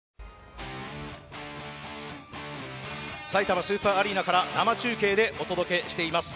さいたまスーパーアリーナから生中継でお届けしています。